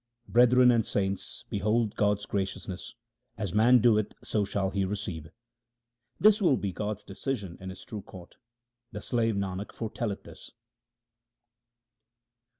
Brethren and saints, behold God's graciousness ; as man doeth so shall he receive. This will be God's decision in His true court ; the slave Nanak foretelleth this.